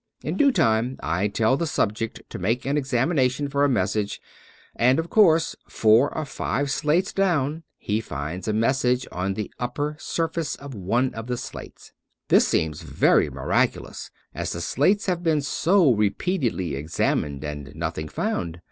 In due time I tell the subject to make an examination for a message, and of course four or five slates down he finds a message on the upper surface of one of the slates. This seems very miraculous, as the slates have been so repeatedly examined and nothing found.